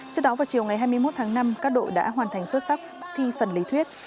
trước đó vào chiều ngày hai mươi một tháng năm các đội đã hoàn thành xuất sắc thi phần lý thuyết